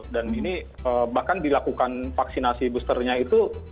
dan ini bahkan dilakukan vaksinasi boosternya itu